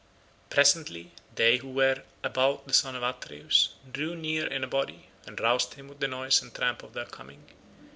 Presently they who were about the son of Atreus drew near in a body, and roused him with the noise and tramp of their coming.